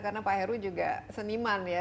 karena pak ero juga seniman ya